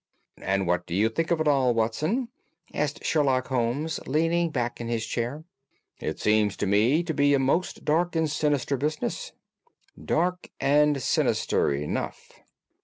"And what do you think of it all, Watson?" asked Sherlock Holmes, leaning back in his chair. "It seems to me to be a most dark and sinister business." "Dark enough and sinister enough."